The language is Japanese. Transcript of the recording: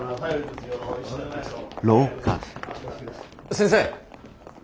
先生！